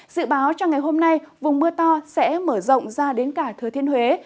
dự báo cho ngày hôm nay vùng mưa to sẽ mở rộng ra đến cả thừa thiên huế